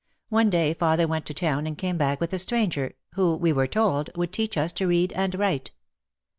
One day father went to town and came back with a stranger, who, we were told, would teach us to read and write.